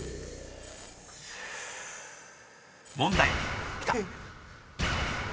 ［問題］